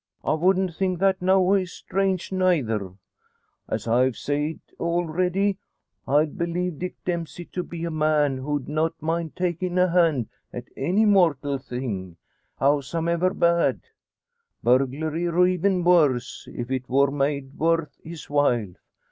"I wouldn't think that noways strange neyther. As I've sayed already, I b'lieve Dick Dempsey to be a man who'd not mind takin' a hand at any mortal thing, howsomever bad. Burglary, or even worse, if it wor made worth his while.